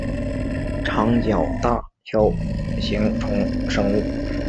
长角大锹形虫生物。